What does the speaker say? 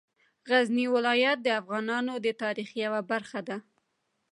غزني ولایت د افغانانو د تاریخ یوه برخه ده.